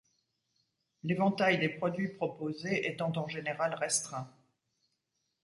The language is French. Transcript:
L'éventail des produits proposés étant en général restreint.